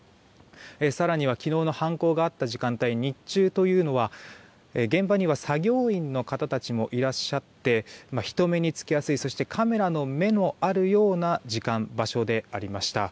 更には昨日の犯行があった時間帯日中というのは現場には作業員の方たちもいらっしゃって人目につきやすいそしてカメラの目のあるような時間、場所でありました。